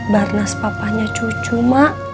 barnas papahnya cucu mak